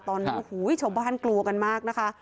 ตอนนี้โอ้โหชาวบ้านกลัวกันมากนะคะ